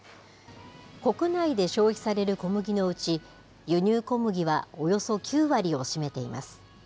国内で消費される小麦のうち、輸入小麦はおよそ９割を占めています。